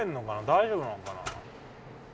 大丈夫なのかな？